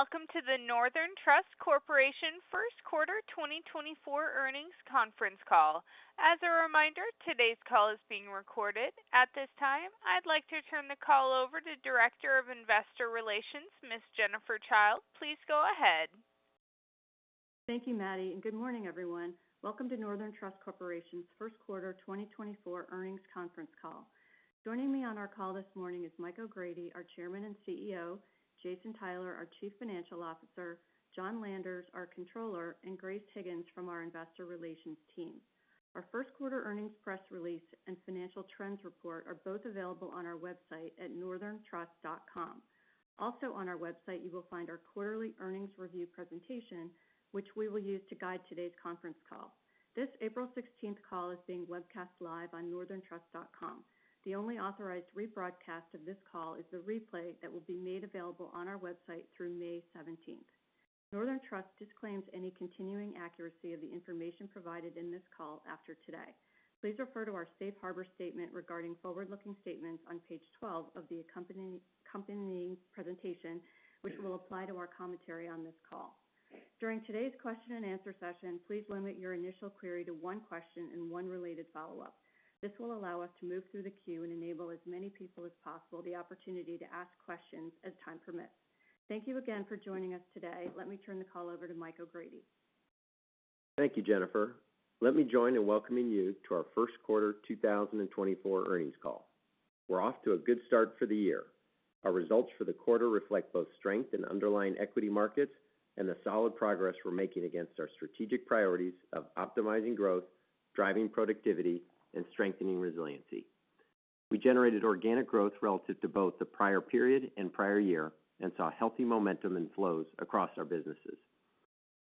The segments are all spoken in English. Good day, and welcome to the Northern Trust Corporation First Quarter 2024 Earnings Conference Call. As a reminder, today's call is being recorded. At this time, I'd like to turn the call over to Director of Investor Relations, Miss Jennifer Childe. Please go ahead. Thank you, Maddie, and good morning, everyone. Welcome to Northern Trust Corporation's first quarter 2024 earnings conference call. Joining me on our call this morning is Mike O'Grady, our Chairman and CEO, Jason Tyler, our Chief Financial Officer, John Landers, our Controller, and Grace Higgins from our Investor Relations team. Our first quarter earnings press release and financial trends report are both available on our website at northerntrust.com. Also on our website, you will find our quarterly earnings review presentation, which we will use to guide today's conference call. This April 16th call is being webcast live on northerntrust.com. The only authorized rebroadcast of this call is the replay that will be made available on our website through May 17th. Northern Trust disclaims any continuing accuracy of the information provided in this call after today. Please refer to our Safe Harbor statement regarding forward-looking statements on Page 12 of the accompanying presentation, which will apply to our commentary on this call. During today's question and answer session, please limit your initial query to one question and one related follow-up. This will allow us to move through the queue and enable as many people as possible the opportunity to ask questions as time permits. Thank you again for joining us today. Let me turn the call over to Mike O’Grady. Thank you, Jennifer. Let me join in welcoming you to our First Quarter 2024 Earnings Call. We're off to a good start for the year. Our results for the quarter reflect both strength in underlying equity markets and the solid progress we're making against our strategic priorities of optimizing growth, driving productivity, and strengthening resiliency. We generated organic growth relative to both the prior period and prior year, and saw healthy momentum in flows across our businesses.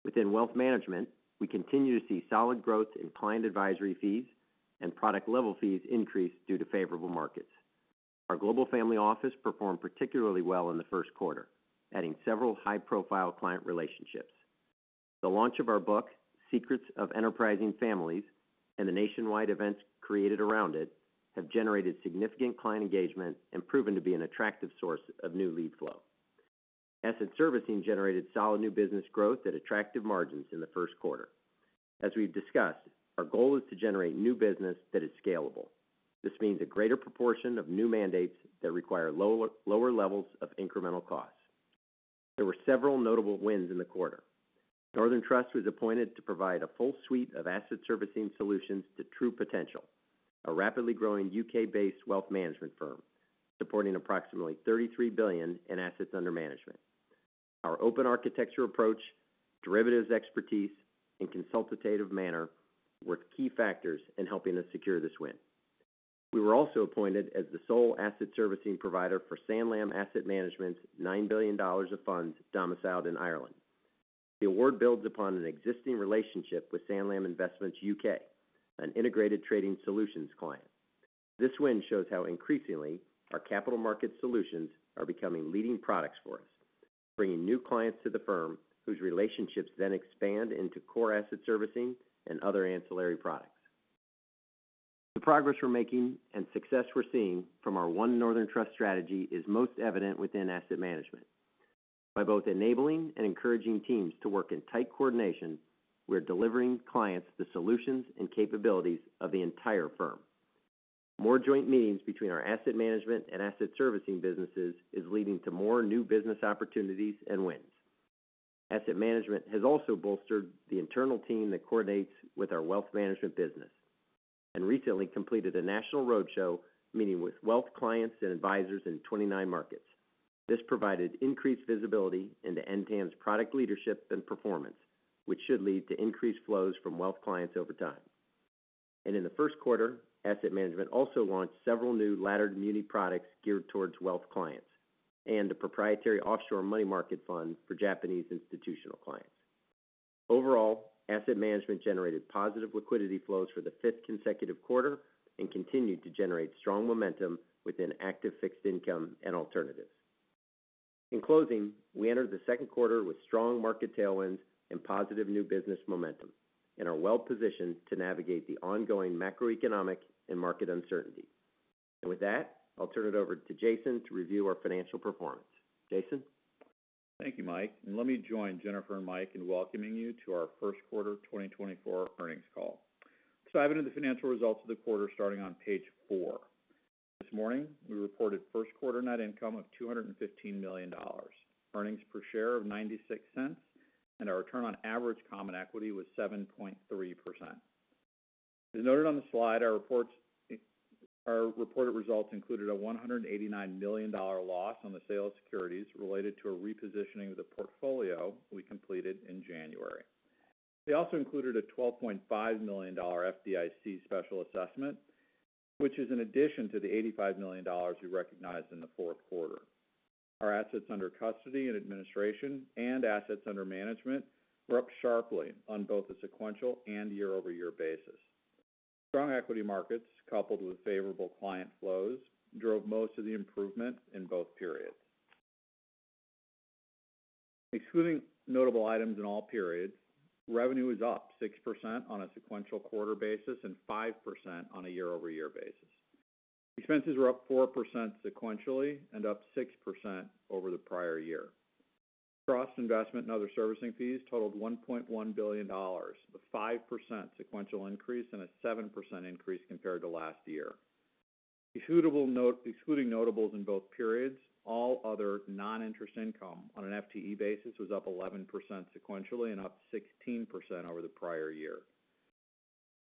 Within wealth management, we continue to see solid growth in client advisory fees, and product-level fees increased due to favorable markets. Our global family office performed particularly well in the first quarter, adding several high-profile client relationships. The launch of our book, Secrets of Enterprising Families, and the nationwide events created around it, have generated significant client engagement and proven to be an attractive source of new lead flow. Asset servicing generated solid new business growth at attractive margins in the first quarter. As we've discussed, our goal is to generate new business that is scalable. This means a greater proportion of new mandates that require lower levels of incremental costs. There were several notable wins in the quarter. Northern Trust was appointed to provide a full suite of asset servicing solutions to True Potential, a rapidly growing U.K.-based wealth management firm, supporting approximately $33 billion in assets under management. Our open architecture approach, derivatives expertise, and consultative manner were key factors in helping us secure this win. We were also appointed as the sole asset servicing provider for Sanlam Asset Management's $9 billion of funds domiciled in Ireland. The award builds upon an existing relationship with Sanlam Investments U.K., an Integrated Trading Solutions client. This win shows how increasingly our capital market solutions are becoming leading products for us, bringing new clients to the firm, whose relationships then expand into core asset servicing and other ancillary products. The progress we're making and success we're seeing from our One Northern Trust strategy is most evident within asset management. By both enabling and encouraging teams to work in tight coordination, we are delivering clients the solutions and capabilities of the entire firm. More joint meetings between our asset management and asset servicing businesses is leading to more new business opportunities and wins. Asset management has also bolstered the internal team that coordinates with our wealth management business, and recently completed a national roadshow meeting with wealth clients and advisors in 29 markets. This provided increased visibility into NTAM's product leadership and performance, which should lead to increased flows from wealth clients over time. In the first quarter, Asset Management also launched several new laddered muni products geared towards wealth clients, and a proprietary offshore money market fund for Japanese institutional clients. Overall, Asset Management generated positive liquidity flows for the fifth consecutive quarter and continued to generate strong momentum within active fixed income and alternatives. In closing, we entered the second quarter with strong market tailwinds and positive new business momentum, and are well positioned to navigate the ongoing macroeconomic and market uncertainty. And with that, I'll turn it over to Jason to review our financial performance. Jason? Thank you, Mike, and let me join Jennifer and Mike in welcoming you to our first quarter 2024 earnings call. So let's begin with the financial results of the quarter starting on Page four. This morning, we reported first quarter net income of $215 million, earnings per share of $0.96, and our return on average common equity was 7.3%. As noted on the slide, our reported results included a $189 million loss on the sale of securities related to a repositioning of the portfolio we completed in January. They also included a $12.5 million FDIC special assessment, which is an addition to the $85 million we recognized in the fourth quarter. Our assets under custody and administration, and assets under management were up sharply on both a sequential and year-over-year basis. Strong equity markets, coupled with favorable client flows, drove most of the improvement in both periods. Excluding notable items in all periods, revenue is up 6% on a sequential quarter basis and 5% on a year-over-year basis. Expenses were up 4% sequentially and up 6% over the prior year. Trust, investment, and other servicing fees totaled $1.1 billion, a 5% sequential increase and a 7% increase compared to last year. Excludable note - excluding notables in both periods, all other non-interest income on an FTE basis was up 11% sequentially and up 16% over the prior year.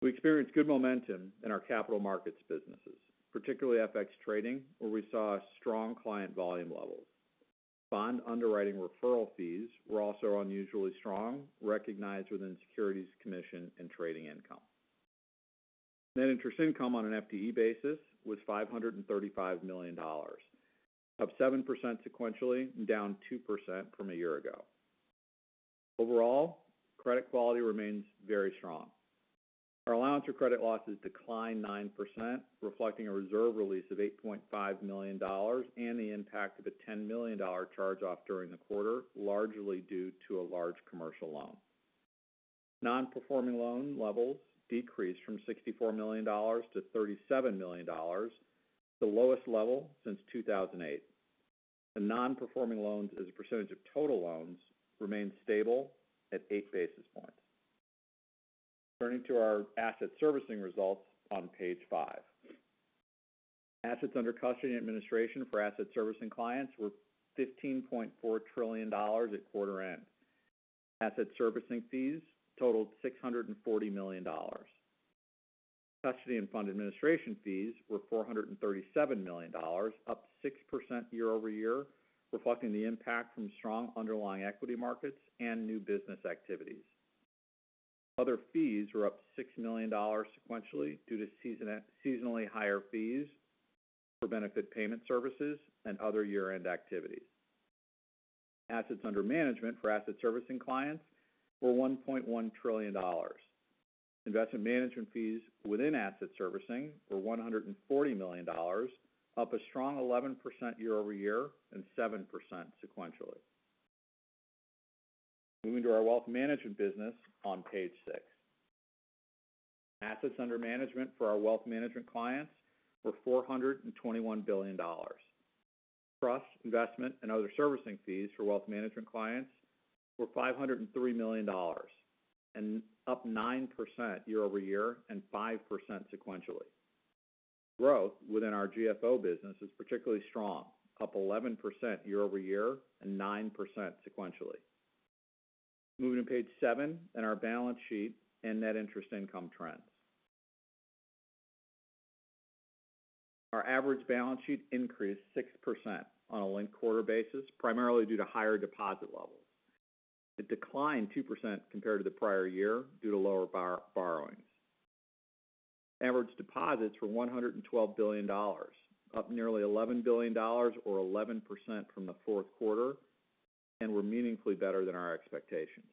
We experienced good momentum in our capital markets businesses, particularly FX trading, where we saw strong client volume levels. Bond underwriting referral fees were also unusually strong, recognized within securities, commission, and trading income. Net interest income on an FTE basis was $535 million, up 7% sequentially and down 2% from a year ago. Overall, credit quality remains very strong. Our allowance for credit losses declined 9%, reflecting a reserve release of $8.5 million and the impact of a $10 million charge-off during the quarter, largely due to a large commercial loan. Non-performing loan levels decreased from $64 million to $37 million, the lowest level since 2008. The non-performing loans as a percentage of total loans remained stable at 8 basis points. Turning to our asset servicing results on page five. Assets under custody and administration for asset servicing clients were $15.4 trillion at quarter end. Asset servicing fees totaled $640 million. Custody and fund administration fees were $437 million, up 6% year-over-year, reflecting the impact from strong underlying equity markets and new business activities. Other fees were up $6 million sequentially due to seasonally higher fees for benefit payment services and other year-end activities. Assets under management for asset servicing clients were $1.1 trillion. Investment management fees within asset servicing were $140 million, up a strong 11% year-over-year and 7% sequentially. Moving to our wealth management business on Page six. Assets under management for our wealth management clients were $421 billion. Trust, investment, and other servicing fees for wealth management clients were $503 million, and up 9% year-over-year and 5% sequentially. Growth within our GFO business is particularly strong, up 11% year over year and 9% sequentially. Moving to page seven, our balance sheet and net interest income trends. Our average balance sheet increased 6% on a linked quarter basis, primarily due to higher deposit levels. It declined 2% compared to the prior year due to lower borrowings. Average deposits were $112 billion, up nearly $11 billion or 11% from the fourth quarter, and were meaningfully better than our expectations.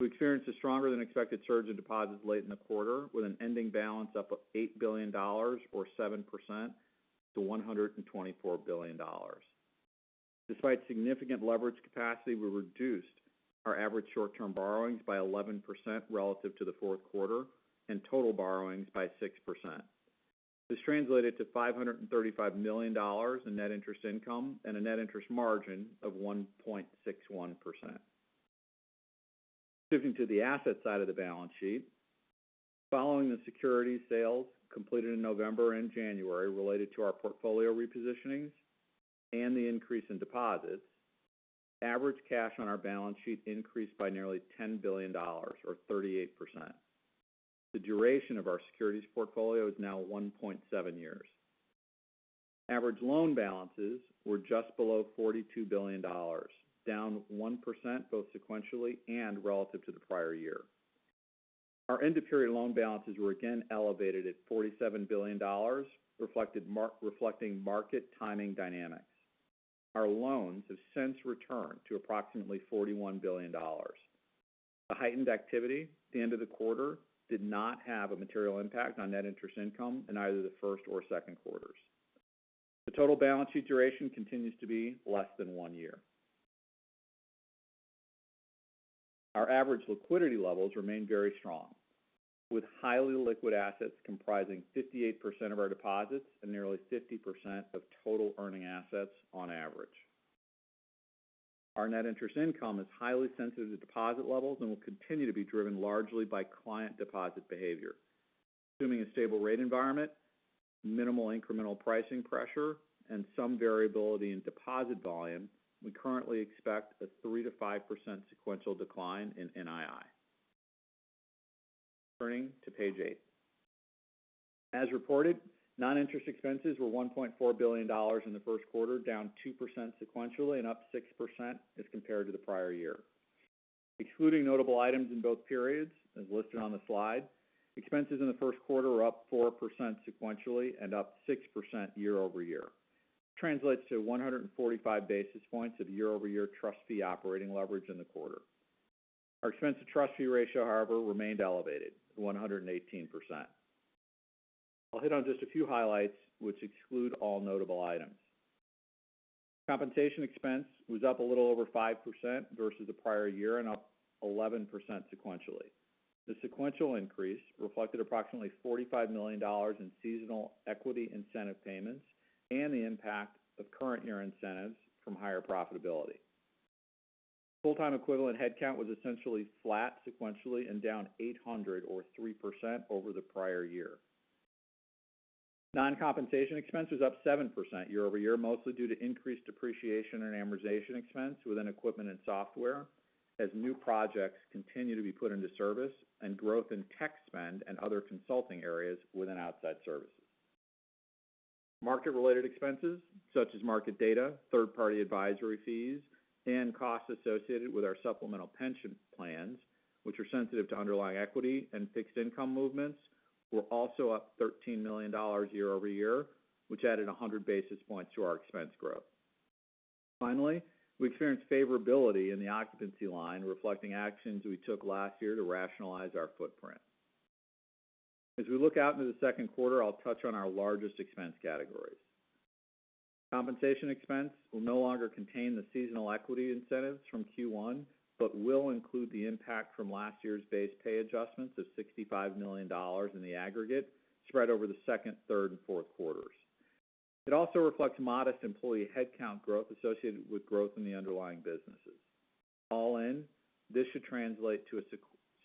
We experienced a stronger than expected surge in deposits late in the quarter, with an ending balance up of $8 billion or 7% to $124 billion. Despite significant leverage capacity, we reduced our average short-term borrowings by 11% relative to the fourth quarter, and total borrowings by 6%. This translated to $535 million in net interest income and a net interest margin of 1.61%. Shifting to the asset side of the balance sheet, following the securities sales completed in November and January related to our portfolio repositionings and the increase in deposits, average cash on our balance sheet increased by nearly $10 billion, or 38%. The duration of our securities portfolio is now 1.7 years. Average loan balances were just below $42 billion, down 1%, both sequentially and relative to the prior year. Our end-of-period loan balances were again elevated at $47 billion, reflecting market timing dynamics. Our loans have since returned to approximately $41 billion. The heightened activity at the end of the quarter did not have a material impact on net interest income in either the first or second quarters. The total balance sheet duration continues to be less than one year. Our average liquidity levels remain very strong, with highly liquid assets comprising 58% of our deposits and nearly 50% of total earning assets on average. Our net interest income is highly sensitive to deposit levels and will continue to be driven largely by client deposit behavior. Assuming a stable rate environment, minimal incremental pricing pressure, and some variability in deposit volume, we currently expect a 3%-5% sequential decline in NII. Turning to Page eight. As reported, non-interest expenses were $1.4 billion in the first quarter, down 2% sequentially and up 6% as compared to the prior year. Excluding notable items in both periods, as listed on the slide, expenses in the first quarter were up 4% sequentially and up 6% year-over-year. This translates to 145 basis points of year-over-year trust fee operating leverage in the quarter. Our expense to trust fee ratio, however, remained elevated, 118%. I'll hit on just a few highlights, which exclude all notable items. Compensation expense was up a little over 5% versus the prior year and up 11% sequentially. The sequential increase reflected approximately $45 million in seasonal equity incentive payments and the impact of current year incentives from higher profitability. Full-time equivalent headcount was essentially flat sequentially and down 800 or 3% over the prior year. Non-compensation expense was up 7% year-over-year, mostly due to increased depreciation and amortization expense within equipment and software, as new projects continue to be put into service and growth in tech spend and other consulting areas within outside services. Market-related expenses such as market data, third-party advisory fees, and costs associated with our supplemental pension plans, which are sensitive to underlying equity and fixed income movements, were also up $13 million year-over-year, which added 100 basis points to our expense growth. Finally, we experienced favorability in the occupancy line, reflecting actions we took last year to rationalize our footprint. As we look out into the second quarter, I'll touch on our largest expense categories. Compensation expense will no longer contain the seasonal equity incentives from Q1, but will include the impact from last year's base pay adjustments of $65 million in the aggregate, spread over the second, third, and fourth quarters. It also reflects modest employee headcount growth associated with growth in the underlying businesses. All in, this should translate to a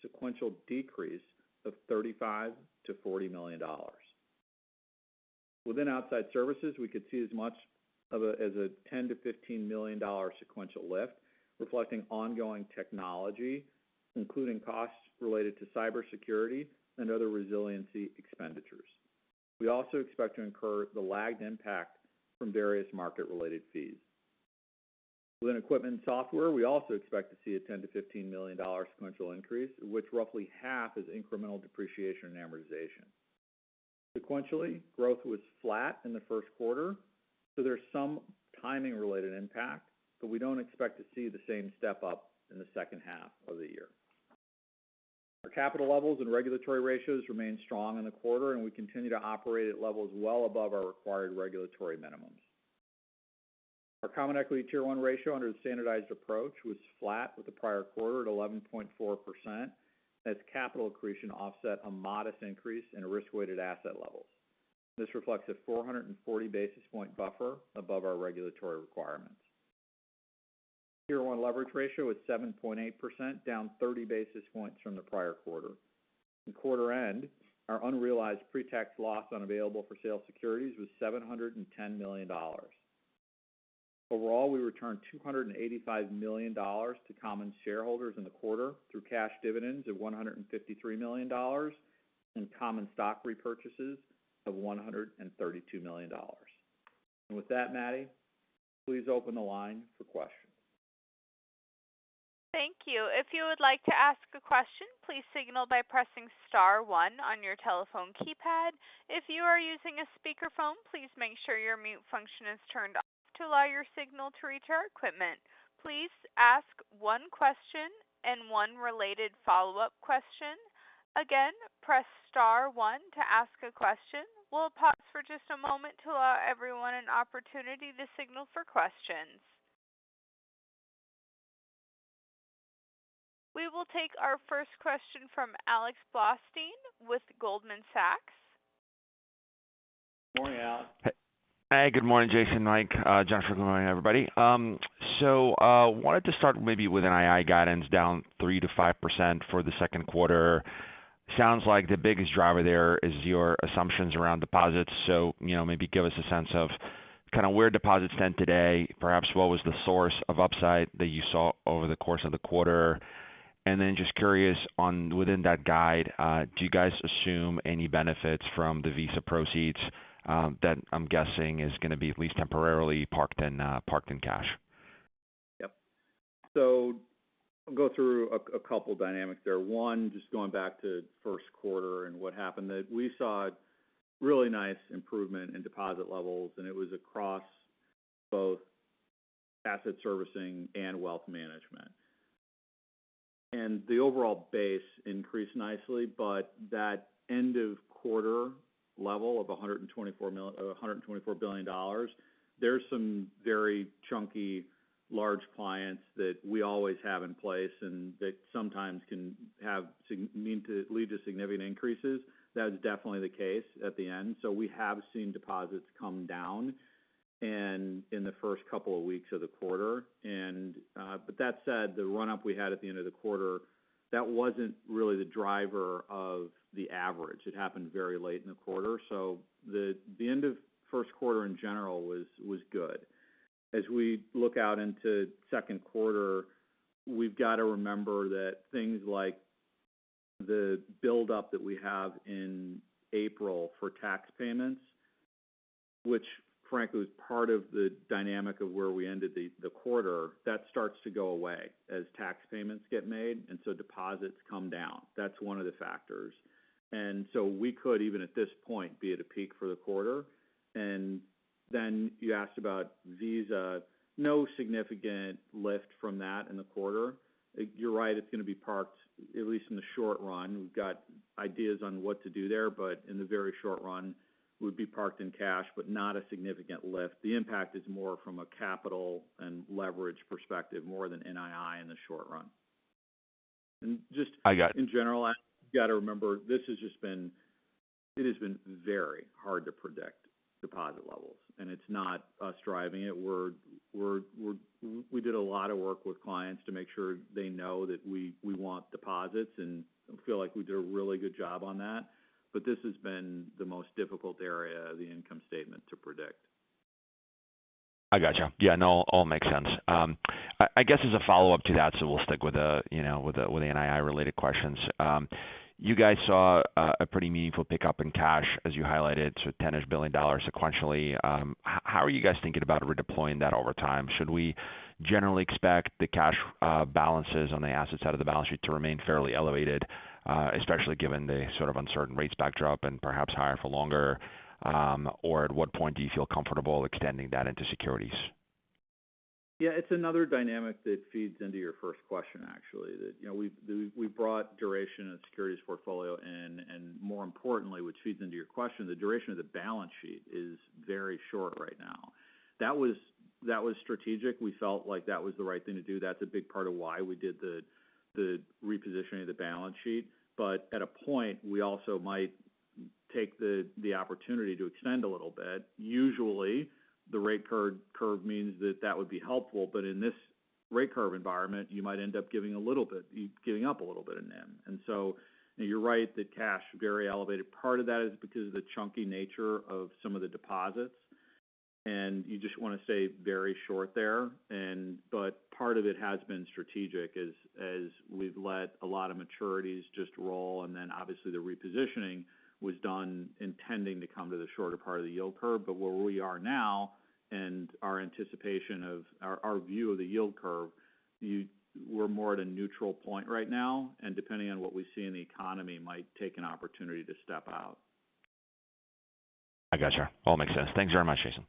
sequential decrease of $35 million-$40 million. Within outside services, we could see as much as a $10 million-$15 million sequential lift, reflecting ongoing technology, including costs related to cybersecurity and other resiliency expenditures. We also expect to incur the lagged impact from various market-related fees. Within equipment and software, we also expect to see a $10 million-$15 million sequential increase, which roughly half is incremental depreciation and amortization. Sequentially, growth was flat in the first quarter, so there's some timing-related impact, but we don't expect to see the same step up in the second half of the year. Our capital levels and regulatory ratios remained strong in the quarter, and we continue to operate at levels well above our required regulatory minimums. Our Common Equity Tier 1 ratio under the standardized approach was flat with the prior quarter at 11.4%, as capital accretion offset a modest increase in risk-weighted assets levels. This reflects a 440 basis points buffer above our regulatory requirements. Tier 1 leverage ratio is 7.8%, down 30 basis points from the prior quarter. At quarter-end, our unrealized pretax loss on available-for-sale securities was $710 million. Overall, we returned $285 million to common shareholders in the quarter through cash dividends of $153 million and common stock repurchases of $132 million. With that, Maddie, please open the line for questions. Thank you. If you would like to ask a question, please signal by pressing star one on your telephone keypad. If you are using a speakerphone, please make sure your mute function is turned off to allow your signal to reach our equipment. Please ask one question and one related follow-up question. Again, press star one to ask a question. We'll pause for just a moment to allow everyone an opportunity to signal for questions. We will take our first question from Alex Blostein with Goldman Sachs. Good morning, Al. Hey, good morning, Jason, Mike, Jonathan, good morning, everybody. So, wanted to start maybe with an NII guidance down 3%-5% for the second quarter. Sounds like the biggest driver there is your assumptions around deposits. So, you know, maybe give us a sense of kind of where deposits stand today, perhaps what was the source of upside that you saw over the course of the quarter? And then just curious on within that guide, do you guys assume any benefits from the Visa proceeds, that I'm guessing is going to be at least temporarily parked in, parked in cash? Yep. So go through a couple of dynamics there. One, just going back to the first quarter and what happened, that we saw a really nice improvement in deposit levels, and it was across both asset servicing and wealth management. And the overall base increased nicely, but that end of quarter level of $124 billion, there's some very chunky, large clients that we always have in place, and they sometimes can have significant increases. That is definitely the case at the end. So we have seen deposits come down in the first couple of weeks of the quarter. But that said, the run-up we had at the end of the quarter, that wasn't really the driver of the average. It happened very late in the quarter. So the end of first quarter in general was good. As we look out into second quarter, we've got to remember that things like the buildup that we have in April for tax payments, which frankly was part of the dynamic of where we ended the quarter, that starts to go away as tax payments get made, and so deposits come down. That's one of the factors. And so we could, even at this point, be at a peak for the quarter. And then you asked about Visa. No significant lift from that in the quarter. You're right, it's going to be parked, at least in the short run. We've got ideas on what to do there, but in the very short run, would be parked in cash, but not a significant lift. The impact is more from a capital and leverage perspective more than NII in the short run... And just- I got it. In general, you got to remember, this has just been, it has been very hard to predict deposit levels, and it's not us driving it. We're, we did a lot of work with clients to make sure they know that we want deposits, and I feel like we did a really good job on that. But this has been the most difficult area of the income statement to predict. I got you. Yeah, no, all makes sense. I guess as a follow-up to that, so we'll stick with the, you know, with the NII-related questions. You guys saw a pretty meaningful pickup in cash, as you highlighted, so $10-ish billion sequentially. How are you guys thinking about redeploying that over time? Should we generally expect the cash balances on the asset side of the balance sheet to remain fairly elevated, especially given the sort of uncertain rates backdrop and perhaps higher for longer? Or at what point do you feel comfortable extending that into securities? Yeah, it's another dynamic that feeds into your first question, actually, that, you know, we've brought duration and securities portfolio in, and more importantly, which feeds into your question, the duration of the balance sheet is very short right now. That was strategic. We felt like that was the right thing to do. That's a big part of why we did the repositioning of the balance sheet. But at a point, we also might take the opportunity to extend a little bit. Usually, the rate curve means that that would be helpful, but in this rate curve environment, you might end up giving a little bit, giving up a little bit in them. And so you're right, that cash, very elevated. Part of that is because of the chunky nature of some of the deposits, and you just want to stay very short there. But part of it has been strategic, as we've let a lot of maturities just roll, and then obviously, the repositioning was done intending to come to the shorter part of the yield curve. But where we are now and our anticipation of our view of the yield curve, we're more at a neutral point right now, and depending on what we see in the economy, might take an opportunity to step out. I got you. All makes sense. Thanks very much, Jason.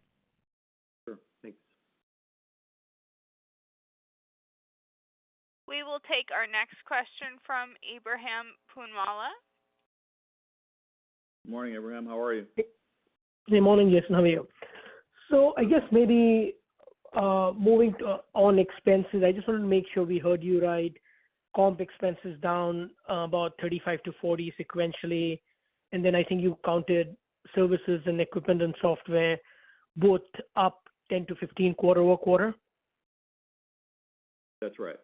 Sure. Thanks. We will take our next question from Ebrahim Poonawala. Morning, Ebrahim, how are you? Good morning, Jason. How are you? So I guess maybe moving to on expenses, I just wanted to make sure we heard you right. Comp expenses down about 35-40 sequentially, and then I think you counted services and equipment and software both up 10-15 quarter-over-quarter? That's right.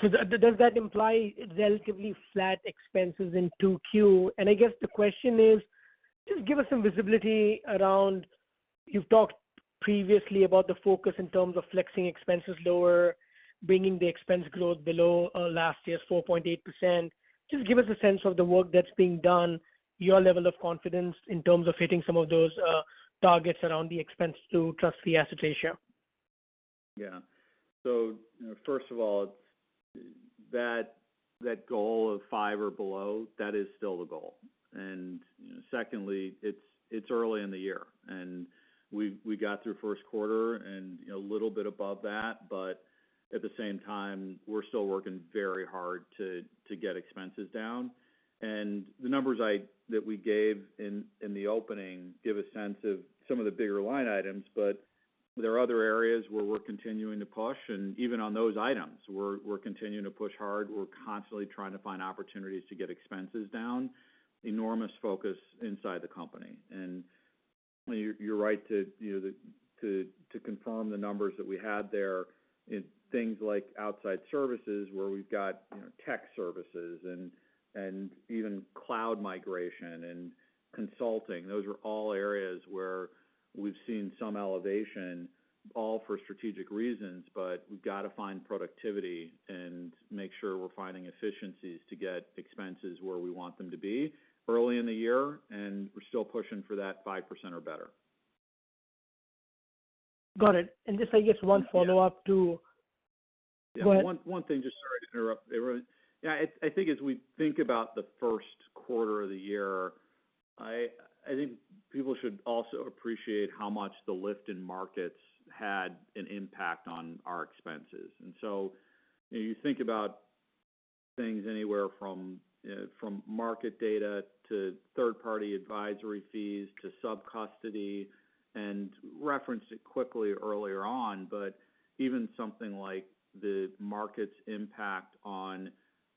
So does that imply it's relatively flat expenses in 2Q? And I guess the question is, just give us some visibility around... You've talked previously about the focus in terms of flexing expenses lower, bringing the expense growth below last year's 4.8%. Just give us a sense of the work that's being done, your level of confidence in terms of hitting some of those targets around the expense-to-trust-and-asset ratio. Yeah. So first of all, that goal of five or below, that is still the goal. And secondly, it's early in the year, and we got through first quarter and a little bit above that, but at the same time, we're still working very hard to get expenses down. And the numbers that we gave in the opening give a sense of some of the bigger line items, but there are other areas where we're continuing to push, and even on those items, we're continuing to push hard. We're constantly trying to find opportunities to get expenses down. Enormous focus inside the company. And you're right to, you know, to confirm the numbers that we had there in things like outside services, where we've got tech services and even cloud migration and consulting. Those are all areas where we've seen some elevation, all for strategic reasons, but we've got to find productivity and make sure we're finding efficiencies to get expenses where we want them to be early in the year, and we're still pushing for that 5% or better. Got it. And just, I guess, one follow-up to- Yeah. Go ahead. One thing, just sorry to interrupt, Ebrahim. Yeah, I, I think as we think about the first quarter of the year, I, I think people should also appreciate how much the lift in markets had an impact on our expenses. And so you think about things anywhere from, from market data to third-party advisory fees to subcustody, and referenced it quickly earlier on, but even something like the market's impact on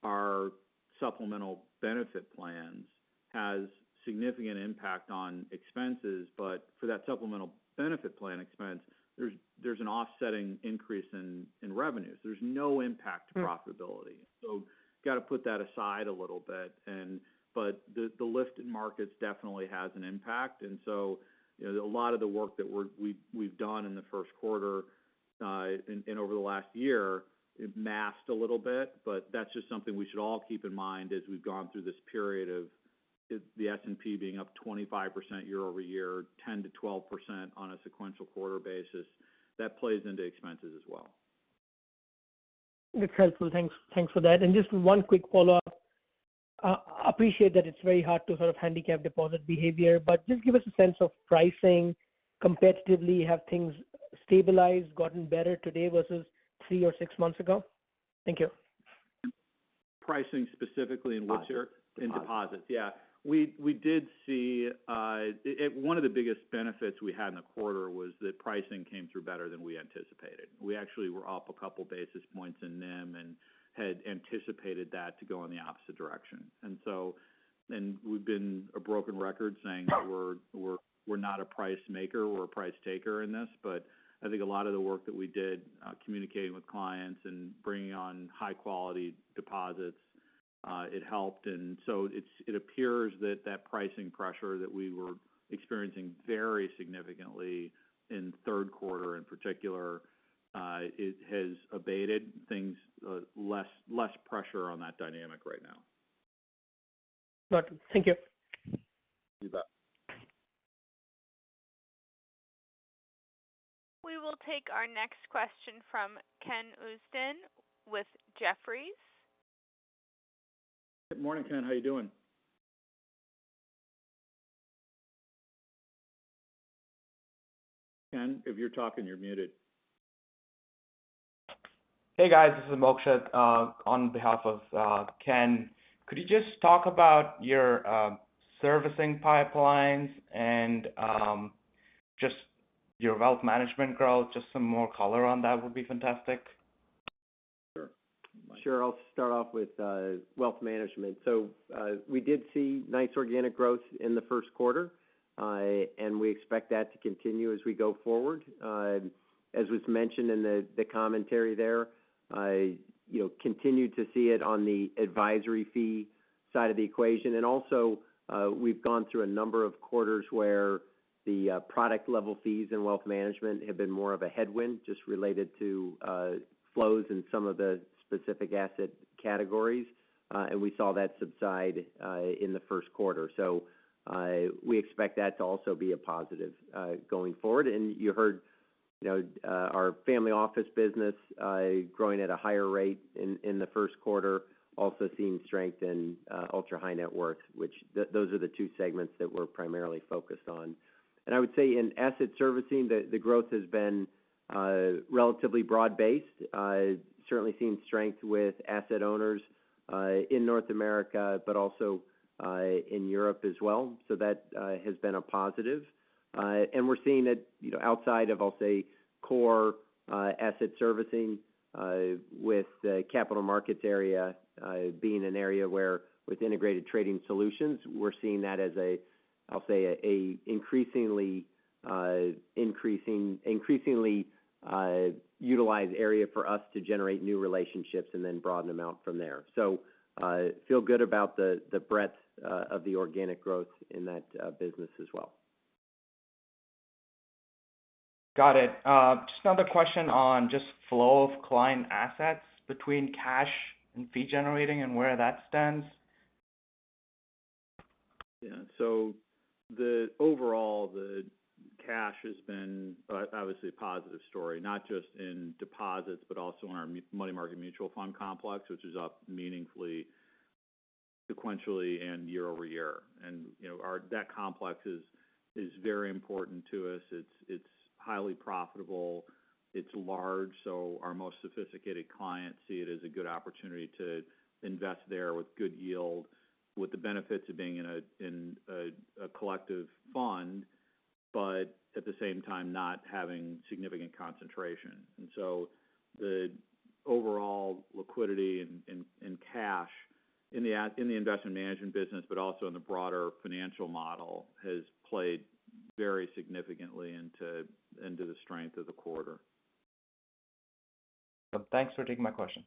our supplemental benefit plans has significant impact on expenses. But for that supplemental benefit plan expense, there's, there's an offsetting increase in, in revenues. There's no impact to profitability. Mm-hmm. So got to put that aside a little bit, and, but the, the lift in markets definitely has an impact. And so a lot of the work that we're, we've, we've done in the first quarter, and, and over the last year, it masked a little bit, but that's just something we should all keep in mind as we've gone through this period of the S&P being up 25% year-over-year, 10%-12% on a sequential quarter basis. That plays into expenses as well. That's helpful. Thanks, thanks for that. And just one quick follow-up. I appreciate that it's very hard to sort of handicap deposit behavior, but just give us a sense of pricing competitively. Have things stabilized, gotten better today versus three or six months ago? Thank you.... pricing specifically in what you're- Deposits. In deposits, yeah. We did see one of the biggest benefits we had in the quarter was that pricing came through better than we anticipated. We actually were up a couple basis points in NIM and had anticipated that to go in the opposite direction. And so and we've been a broken record saying that we're not a price maker, we're a price taker in this. But I think a lot of the work that we did communicating with clients and bringing on high-quality deposits, it helped. And so it appears that that pricing pressure that we were experiencing very significantly in the third quarter, in particular, it has abated things, less pressure on that dynamic right now. Got it. Thank you. You bet. We will take our next question from Ken Usdin with Jefferies. Good morning, Ken. How are you doing? Ken, if you're talking, you're muted. Hey, guys, this is Mokshith on behalf of Ken. Could you just talk about your servicing pipelines and just your wealth management growth? Just some more color on that would be fantastic. Sure. Sure, I'll start off with wealth management. So, we did see nice organic growth in the first quarter, and we expect that to continue as we go forward. As was mentioned in the commentary there, I, you know, continued to see it on the advisory fee side of the equation. And also, we've gone through a number of quarters where the product-level fees in wealth management have been more of a headwind, just related to flows in some of the specific asset categories, and we saw that subside in the first quarter. So, we expect that to also be a positive going forward. You heard, you know, our family office business growing at a higher rate in the first quarter, also seeing strength in ultra-high net worth, which those are the two segments that we're primarily focused on. I would say in asset servicing, the growth has been relatively broad-based. Certainly seeing strength with asset owners in North America, but also in Europe as well. So that has been a positive. And we're seeing it, you know, outside of, I'll say, core asset servicing, with the capital markets area being an area where with Integrated Trading Solutions, we're seeing that as an increasingly utilized area for us to generate new relationships and then broaden them out from there. Feel good about the breadth of the organic growth in that business as well. Got it. Just another question on just flow of client assets between cash and fee generating and where that stands? Yeah. So the overall, the cash has been obviously a positive story, not just in deposits, but also in our money market mutual fund complex, which is up meaningfully, sequentially and year-over-year. And, you know, that complex is very important to us. It's highly profitable. It's large, so our most sophisticated clients see it as a good opportunity to invest there with good yield, with the benefits of being in a collective fund, but at the same time, not having significant concentration. And so the overall liquidity and cash in the investment management business, but also in the broader financial model, has played very significantly into the strength of the quarter. Thanks for taking my questions.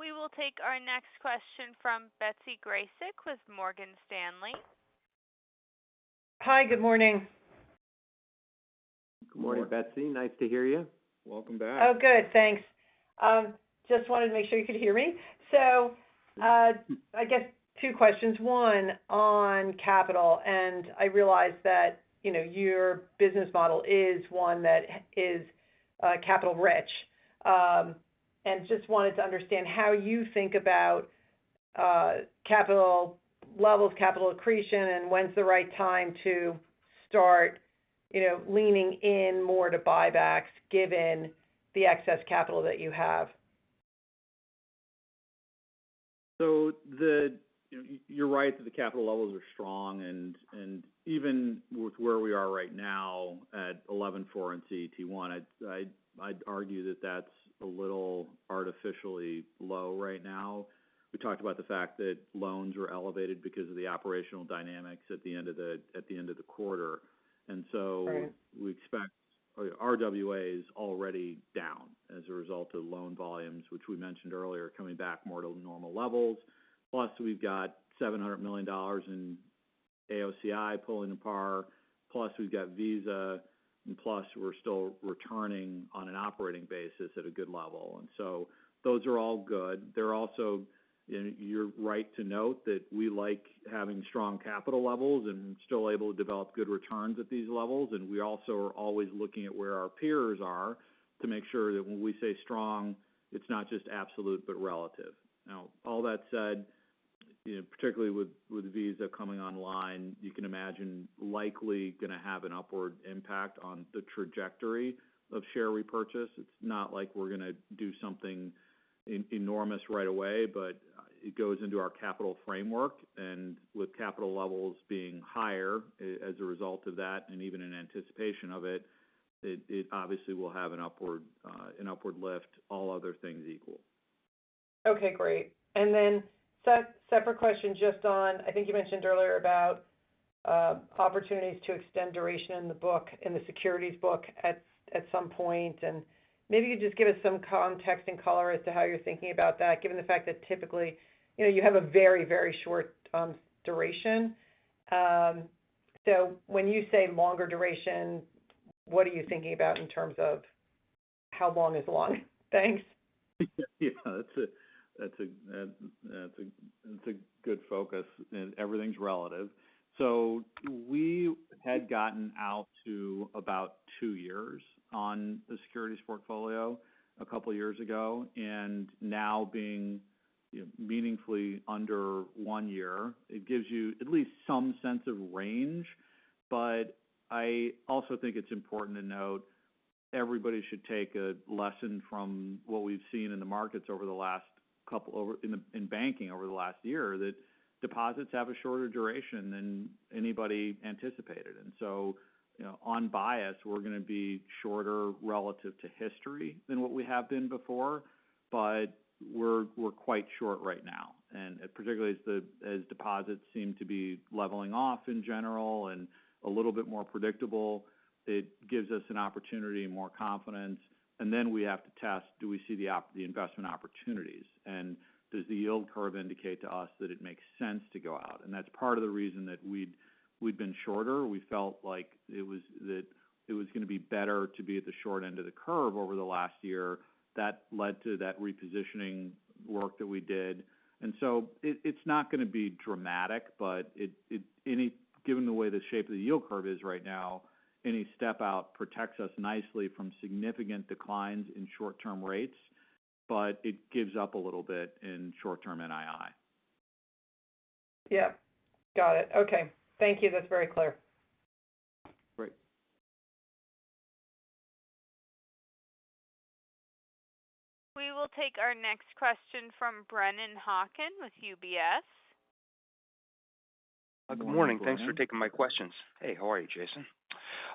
Of course. We will take our next question from Betsy Graseck, with Morgan Stanley. Hi, good morning. Good morning, Betsy. Nice to hear you. Welcome back. Oh, good. Thanks. Just wanted to make sure you could hear me. So, I guess two questions. One on capital, and I realize that, you know, your business model is one that is, capital rich. Just wanted to understand how you think about, capital levels, capital accretion, and when's the right time to start, you know, leaning in more to buybacks, given the excess capital that you have? So you’re right that the capital levels are strong, and even with where we are right now at 11.4 in CET1, I’d argue that that’s a little artificially low right now. We talked about the fact that loans were elevated because of the operational dynamics at the end of the quarter. Right. And so we expect our RWA is already down as a result of loan volumes, which we mentioned earlier, coming back more to normal levels. Plus, we've got $700 million in AOCI pulling the par, plus we've got Visa, and plus we're still returning on an operating basis at a good level. And so those are all good. They're also, and you're right to note that we like having strong capital levels and still able to develop good returns at these levels. And we also are always looking at where our peers are to make sure that when we say strong, it's not just absolute, but relative. Now, all that said, you know, particularly with Visa coming online, you can imagine likely going to have an upward impact on the trajectory of share repurchase. It's not like we're gonna do something enormous right away, but it goes into our capital framework. And with capital levels being higher, as a result of that, and even in anticipation of it, it obviously will have an upward lift, all other things equal. Okay, great. And then separate question, just on, I think you mentioned earlier about opportunities to extend duration in the book, in the securities book at some point. And maybe you could just give us some context and color as to how you're thinking about that, given the fact that typically, you know, you have a very, very short duration. So when you say longer duration, what are you thinking about in terms of how long is long? Thanks. Yeah, that's a good focus, and everything's relative. So we had gotten out to about two years on the securities portfolio a couple of years ago, and now being, you know, meaningfully under one year. It gives you at least some sense of range. But I also think it's important to note, everybody should take a lesson from what we've seen in the markets over the last year in banking, that deposits have a shorter duration than anybody anticipated. And so, you know, on bias, we're gonna be shorter relative to history than what we have been before, but we're quite short right now. And particularly as deposits seem to be leveling off in general and a little bit more predictable, it gives us an opportunity and more confidence. And then we have to test, do we see the investment opportunities? And does the yield curve indicate to us that it makes sense to go out? And that's part of the reason that we'd been shorter. We felt like it was gonna be better to be at the short end of the curve over the last year. That led to that repositioning work that we did. And so it's not gonna be dramatic, but given the way the shape of the yield curve is right now, any step out protects us nicely from significant declines in short-term rates, but it gives up a little bit in short-term NII. Yeah. Got it. Okay. Thank you. That's very clear. Great. We will take our next question from Brennan Hawken with UBS. Good morning. Thanks for taking my questions. Hey, how are you, Jason?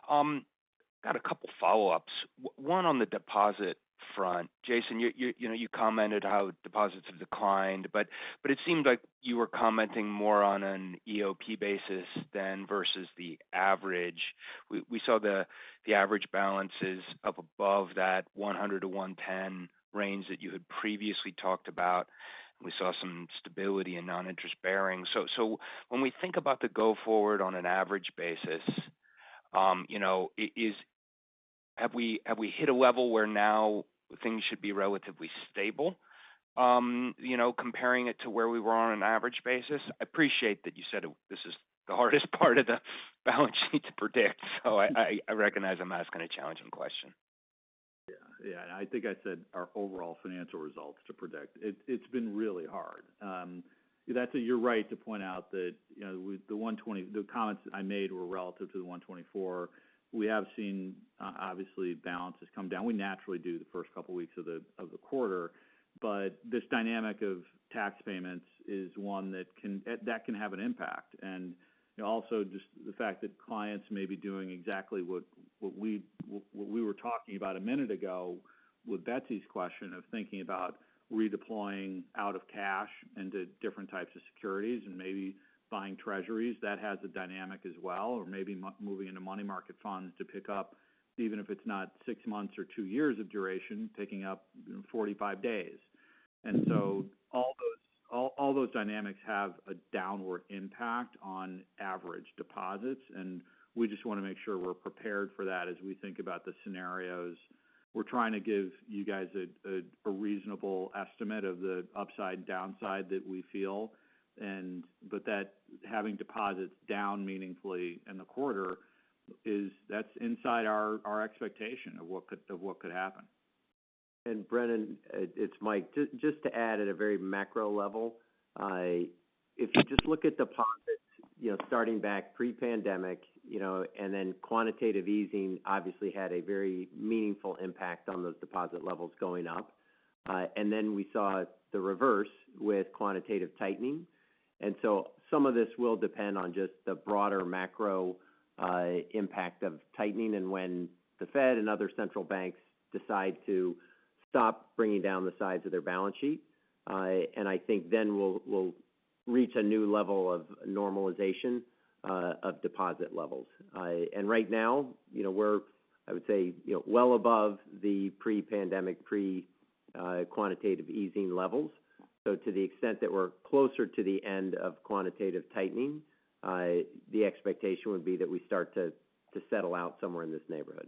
Got a couple follow-ups. One on the deposit front. Jason, you know, you commented how deposits have declined, but it seemed like you were commenting more on an EOP basis than versus the average. We saw the average balance is up above that 100-110 range that you had previously talked about. We saw some stability in non-interest bearing. So when we think about the go forward on an average basis, you know, have we hit a level where now things should be relatively stable, you know, comparing it to where we were on an average basis? I appreciate that you said this is the hardest part of the balance sheet to predict, so I recognize I'm asking a challenging question. Yeah. Yeah, I think I said our overall financial results to predict. It's, it's been really hard. That's a... You're right to point out that, you know, with the 1Q20, the comments I made were relative to the 1Q24. We have seen, obviously, balances come down. We naturally do the first couple of weeks of the quarter, but this dynamic of tax payments is one that can, that can have an impact. You know, also just the fact that clients may be doing exactly what we were talking about a minute ago with Betsy's question of thinking about redeploying out of cash into different types of securities and maybe buying Treasuries, that has a dynamic as well, or maybe moving into money market funds to pick up, even if it's not six months or two years of duration, picking up 45 days. And so all those dynamics have a downward impact on average deposits, and we just want to make sure we're prepared for that as we think about the scenarios. We're trying to give you guys a reasonable estimate of the upside and downside that we feel, and but that having deposits down meaningfully in the quarter is—that's inside our expectation of what could happen. And Brennan, it's Mike. Just to add at a very macro level, if you just look at deposits, you know, starting back pre-pandemic, you know, and then quantitative easing obviously had a very meaningful impact on those deposit levels going up. And then we saw the reverse with quantitative tightening. And so some of this will depend on just the broader macro impact of tightening and when the Fed and other central banks decide to stop bringing down the size of their balance sheet. And I think then we'll reach a new level of normalization of deposit levels. And right now, you know, we're, I would say, you know, well above the pre-pandemic, pre-quantitative easing levels. So to the extent that we're closer to the end of quantitative tightening, the expectation would be that we start to settle out somewhere in this neighborhood.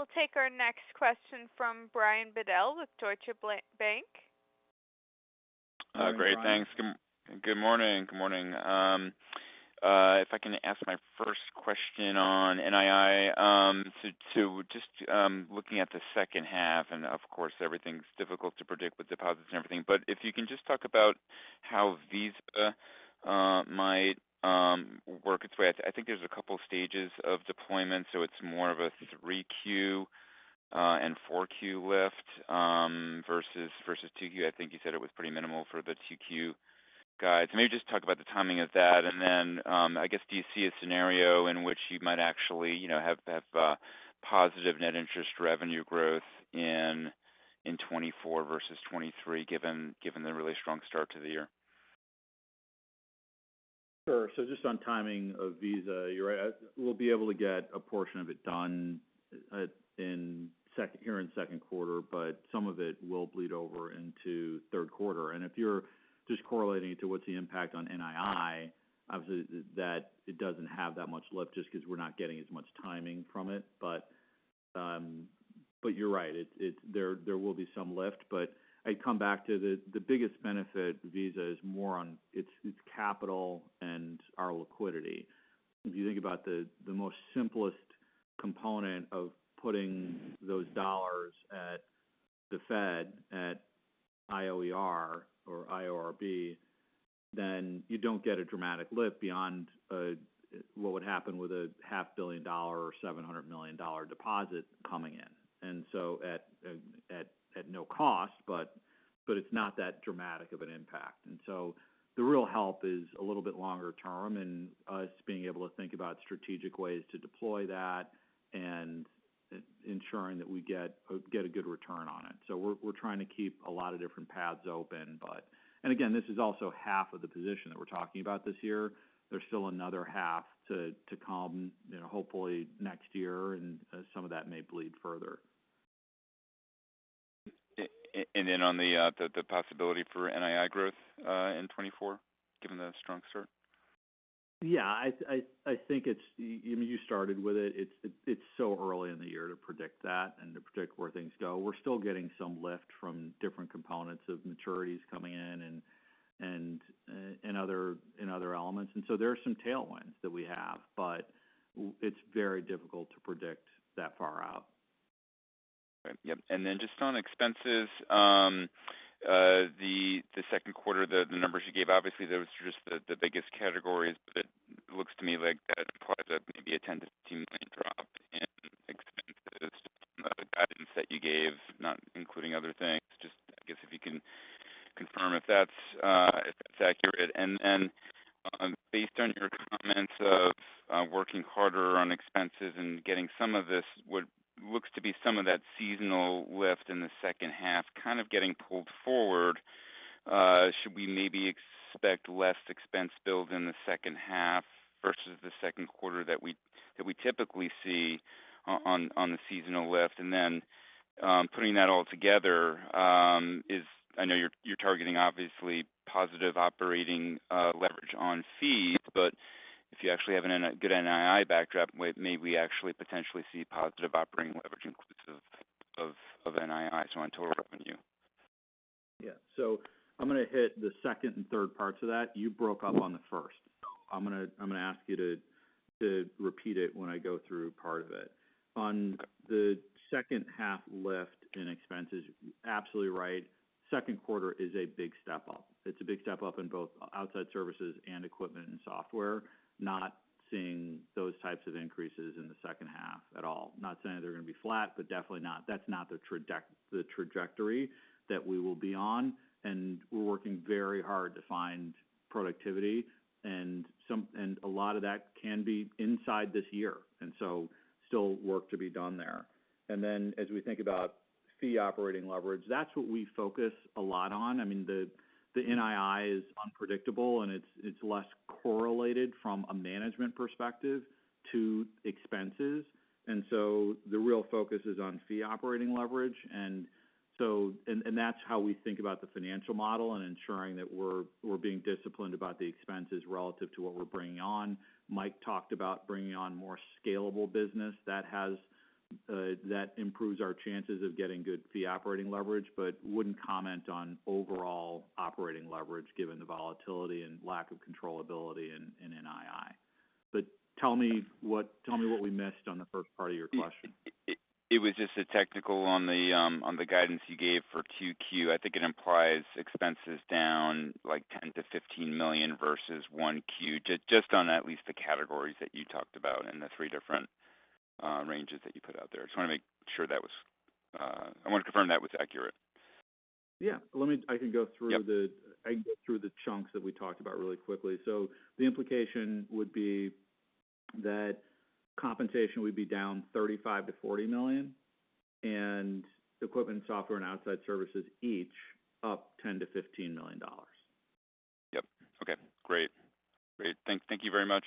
We will take our next question from Brian Bedell with Deutsche Bank.... Oh, great. Thanks. Good, good morning. Good morning. If I can ask my first question on NII, so to just, looking at the second half, and of course, everything's difficult to predict with deposits and everything, but if you can just talk about how Visa might work its way. I think there's a couple stages of deployment, so it's more of a 3Q and 4Q lift versus, versus 2Q. I think you said it was pretty minimal for the 2Q guides. Maybe just talk about the timing of that, and then, I guess, do you see a scenario in which you might actually, you know, have, have positive net interest revenue growth in 2024 versus 2023, given, given the really strong start to the year? Sure. So just on timing of Visa, you're right. We'll be able to get a portion of it done in second quarter, but some of it will bleed over into third quarter. And if you're just correlating to what's the impact on NII, obviously, that it doesn't have that much lift just because we're not getting as much timing from it. But you're right. It's there will be some lift, but I come back to the biggest benefit, Visa, is more on its capital and our liquidity. If you think about the most simplest component of putting those dollars at the Fed, at IOER or IORB, then you don't get a dramatic lift beyond what would happen with a $500 million or $700 million deposit coming in. And so at no cost, but it's not that dramatic of an impact. And so the real help is a little bit longer term, and us being able to think about strategic ways to deploy that and ensuring that we get a good return on it. So we're trying to keep a lot of different paths open, but... And again, this is also half of the position that we're talking about this year. There's still another half to come, you know, hopefully next year, and some of that may bleed further. And then on the possibility for NII growth in 2024, given the strong start? Yeah, I think it's. You started with it. It's so early in the year to predict that and to predict where things go. We're still getting some lift from different components of maturities coming in and other elements. And so there are some tailwinds that we have, but it's very difficult to predict that far out. Okay. Yep. And then just on expenses, the second quarter, the numbers you gave, obviously, those were just the biggest categories, but it looks to me like that implies that maybe a $10 million-$15 million drop in expenses from the guidance that you gave, not including other things. Just, I guess, if you can confirm if that's accurate. And, based on your comments of working harder on expenses and getting some of this, what looks to be some of that seasonal lift in the second half, kind of getting pulled forward, should we maybe expect less expense bills in the second half versus the second quarter that we typically see on the seasonal lift? And then, putting that all together, is—I know you're targeting, obviously, positive operating leverage on fees, but if you actually have a good NII backdrop, we may actually potentially see positive operating leverage inclusive of NII, so on total revenue? Yeah. So I'm going to hit the second and third parts of that. You broke up on the first. So I'm gonna, I'm gonna ask you to, to repeat it when I go through part of it. On the second half lift in expenses, absolutely right. Second quarter is a big step up. It's a big step up in both outside services and equipment and software. Not seeing those types of increases in the second half at all. Not saying they're going to be flat, but definitely not – that's not the trajectory that we will be on, and we're working very hard to find productivity, and some – and a lot of that can be inside this year, and so still work to be done there. And then, as we think about fee operating leverage, that's what we focus a lot on. I mean, the NII is unpredictable, and it's less correlated from a management perspective to expenses. And so the real focus is on fee operating leverage. And so that's how we think about the financial model and ensuring that we're being disciplined about the expenses relative to what we're bringing on. Mike talked about bringing on more scalable business that has that improves our chances of getting good fee operating leverage, but wouldn't comment on overall operating leverage, given the volatility and lack of controllability in NII. But tell me what we missed on the first part of your question. It was just a technical on the on the guidance you gave for 2Q. I think it implies expenses down, like $10 million-$15 million versus 1Q, just on at least the categories that you talked about and the three different ranges that you put out there. Just want to make sure that was. I want to confirm that was accurate. Yeah. I can go through the- Yep. I can go through the chunks that we talked about really quickly. So the implication would be that compensation would be down $35 million-$40 million, and equipment, software, and outside services, each up $10 million-$15 million. Yep. Okay, great. Great. Thank you very much.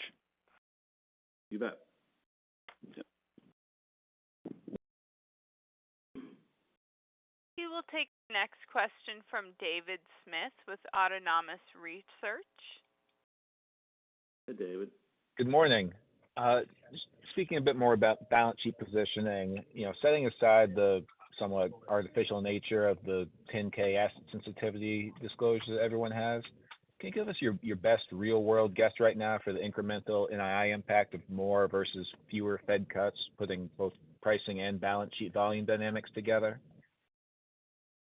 You bet. We will take the next question from David Smith with Autonomous Research. Hi, David. Good morning. Just speaking a bit more about balance sheet positioning, you know, setting aside the somewhat artificial nature of the 10-K asset sensitivity disclosures everyone has, can you give us your, your best real-world guess right now for the incremental NII impact of more versus fewer Fed cuts, putting both pricing and balance sheet volume dynamics together?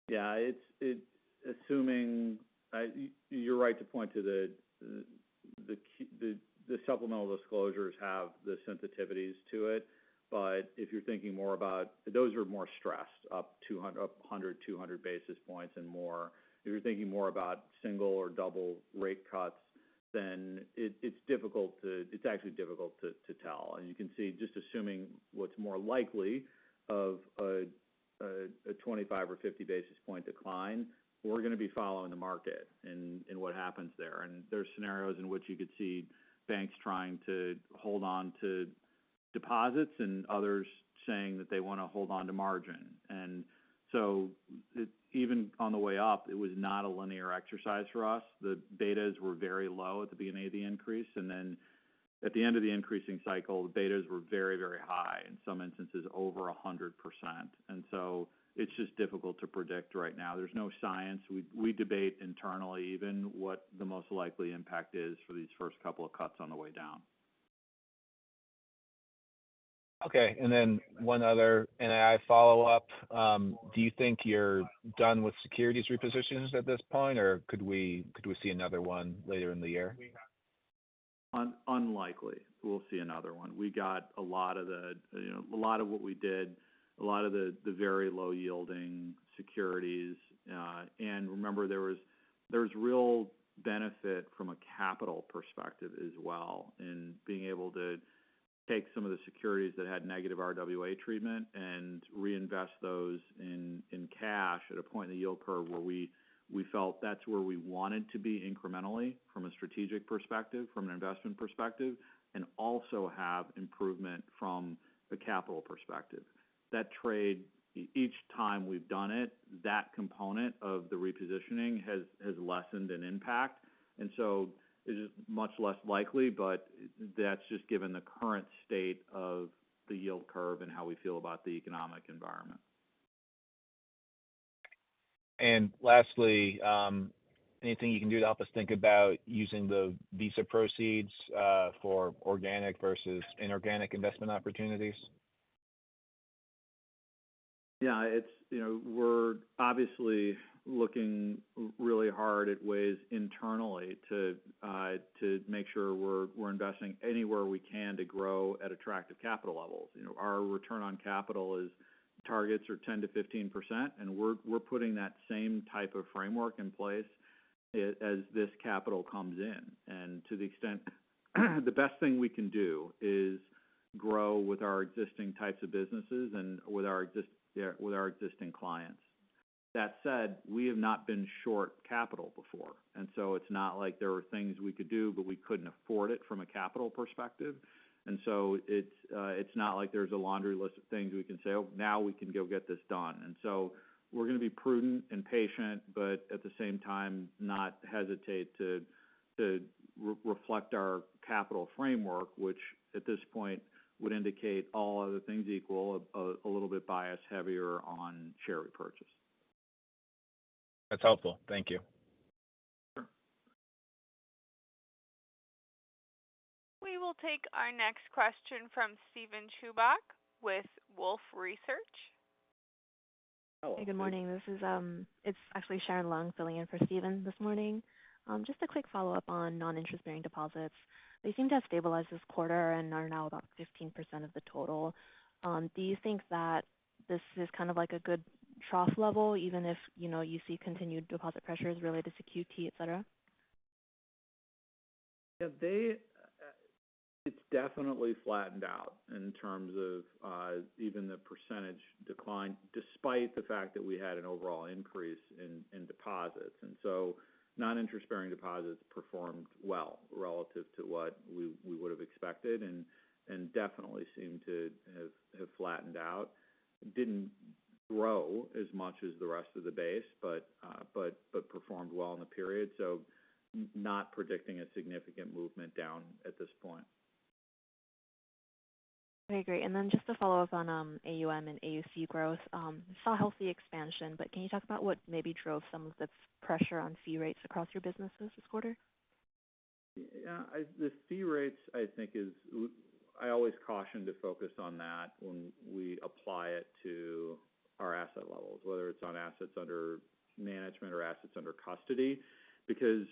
Yeah, it's assuming you're right to point to the supplemental disclosures have the sensitivities to it. But if you're thinking more about... Those are more stressed, up 200 basis points and more. If you're thinking more about single or double rate cuts, then it's actually difficult to tell. And you can see just assuming what's more likely of a 25 or 50 basis point decline, we're gonna be following the market and what happens there. And there are scenarios in which you could see banks trying to hold on to deposits and others saying that they want to hold on to margin. And so even on the way up, it was not a linear exercise for us. The betas were very low at the beginning of the increase, and then at the end of the increasing cycle, the betas were very, very high, in some instances over 100%. And so it's just difficult to predict right now. There's no science. We, we debate internally even what the most likely impact is for these first couple of cuts on the way down. Okay, and then one other NII follow-up. Do you think you're done with securities repositions at this point, or could we, could we see another one later in the year? Unlikely we'll see another one. We got a lot of the, you know, a lot of what we did, a lot of the very low-yielding securities. And remember, there was real benefit from a capital perspective as well, in being able to take some of the securities that had negative RWA treatment and reinvest those in cash at a point in the yield curve where we felt that's where we wanted to be incrementally from a strategic perspective, from an investment perspective, and also have improvement from a capital perspective. That trade, each time we've done it, that component of the repositioning has lessened an impact, and so it is much less likely, but that's just given the current state of the yield curve and how we feel about the economic environment. And lastly, anything you can do to help us think about using the Visa proceeds for organic versus inorganic investment opportunities? Yeah, it's. You know, we're obviously looking really hard at ways internally to, to make sure we're, we're investing anywhere we can to grow at attractive capital levels. You know, our return on capital is, targets are 10%-15%, and we're, we're putting that same type of framework in place as this capital comes in. And to the extent, the best thing we can do is grow with our existing types of businesses and with our existing clients. That said, we have not been short capital before, and so it's not like there were things we could do, but we couldn't afford it from a capital perspective. And so it's not like there's a laundry list of things we can say, "Oh, now we can go get this done." And so we're gonna be prudent and patient, but at the same time, not hesitate to reflect our capital framework, which at this point would indicate all other things equal, a little bit biased, heavier on share repurchase. That's helpful. Thank you. Sure. We will take our next question from Steven Chubak with Wolfe Research. Hey, good morning. This is, It's actually Sharon Leung filling in for Steven Chubak this morning. Just a quick follow-up on non-interest bearing deposits. They seem to have stabilized this quarter and are now about 15% of the total. Do you think that this is kind of like a good trough level, even if, you know, you see continued deposit pressures related to QT, et cetera? Yeah, they, it's definitely flattened out in terms of, even the percentage decline, despite the fact that we had an overall increase in deposits. And so non-interest bearing deposits performed well relative to what we would have expected and definitely seemed to have flattened out. Didn't grow as much as the rest of the base, but performed well in the period, so not predicting a significant movement down at this point. Okay, great. And then just to follow up on AUM and AUCA growth, saw healthy expansion, but can you talk about what maybe drove some of the pressure on fee rates across your businesses this quarter? Yeah, the fee rates, I think, I always caution to focus on that when we apply it to our asset levels, whether it's on assets under management or assets under custody, because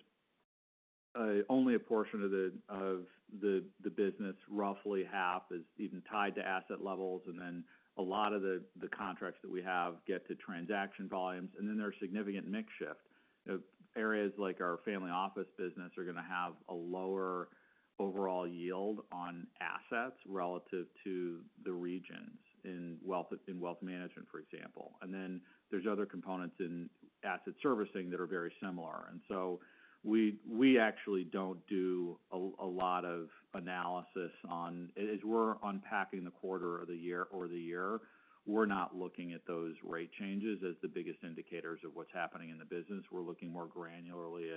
only a portion of the business, roughly half, is even tied to asset levels, and then a lot of the contracts that we have get to transaction volumes, and then there are significant mix shift. You know, areas like our family office business are gonna have a lower overall yield on assets relative to the regions in wealth management, for example. And then there's other components in asset servicing that are very similar. And so we actually don't do a lot of analysis on. As we're unpacking the quarter or the year, we're not looking at those rate changes as the biggest indicators of what's happening in the business. We're looking more granularly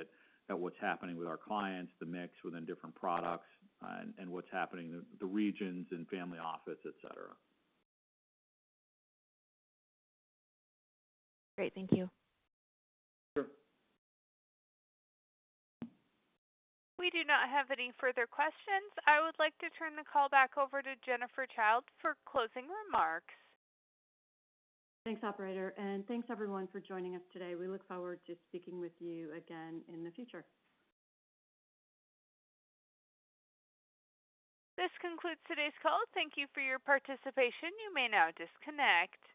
at what's happening with our clients, the mix within different products, and what's happening in the regions and family office, et cetera. Great. Thank you. Sure. We do not have any further questions. I would like to turn the call back over to Jennifer Childe for closing remarks. Thanks, operator, and thanks everyone for joining us today. We look forward to speaking with you again in the future. This concludes today's call. Thank you for your participation. You may now disconnect.